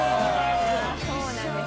そうなんですよ。